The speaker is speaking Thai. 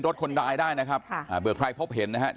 เป็นรถคนร้ายได้นะครับเผื่อใครพบเห็นนะครับ